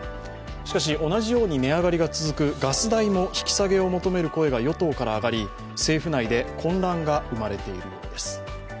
しかし、同じように値上がりが続くガス代も引き下げを求める声が与党から上がり、政府内で混乱が生まれているようです。